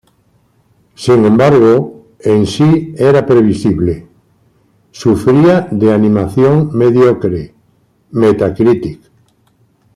Sin embargo, en sí era "previsible", sufría de "animación mediocre" Metacritic.